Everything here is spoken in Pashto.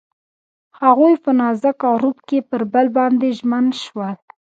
هغوی په نازک غروب کې پر بل باندې ژمن شول.